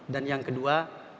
dan yang kedua